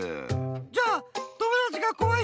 じゃあ友だちがこわい